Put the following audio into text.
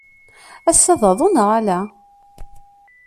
Ass-a d aḍu neɣ ala?